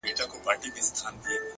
هره ورځ د ځان سمون فرصت لري